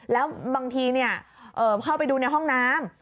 แล้วบางทีเข้าไปดูในห้องน้ำ